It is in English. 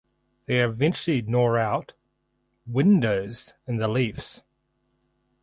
They eventually gnaw out "windows" in the leaves.